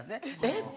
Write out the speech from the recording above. えっ！